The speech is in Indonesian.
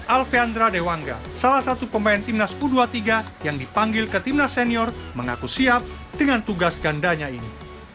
alfeandra dewanga salah satu pemain timnas u dua puluh tiga yang dipanggil ke timnas senior mengaku siap dengan tugas gandanya ini